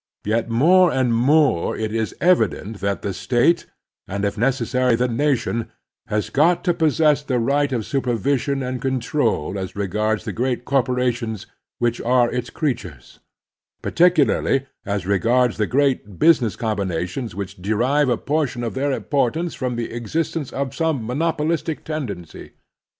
Yet more and more it is evident that the State, and if necessary the nation, has got to possess the right of supervision and control as regards the great cor porations which are its creatiu^es ; particularly as regards the great business combinations which derive a portion of their importance from the existence of some monopolistic tendency.